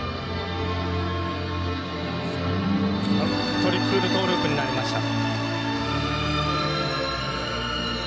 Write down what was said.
トリプルトウループになりました。